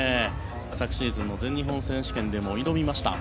昨シーズンの全日本選手権でも挑みました。